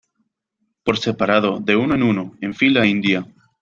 por separado. de uno en uno, en fila india .